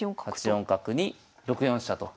８四角に６四飛車と。